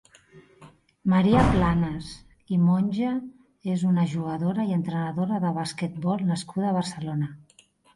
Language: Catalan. Maria Planas i Monge és una jugadora i entrenadora de basquetbol nascuda a Barcelona.